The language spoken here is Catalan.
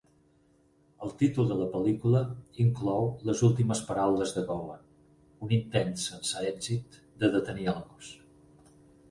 El títol de la pel·lícula inclou les últimes paraules de Gowan, un intent sense èxit de detenir el gos.